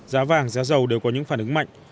giá vàng giá giàu đều có những phản ứng mạnh